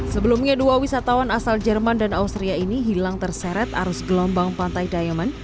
sebelumnya dua wisatawan asal jerman dan austria ini hilang terseret arus gelombang pantai diamond